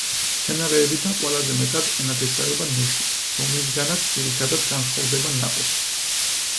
მცენარეებიდან ყველაზე მეტად ენათესავება ნუში, რომლისგანაც ძირითადად განსხვავდება ნაყოფით.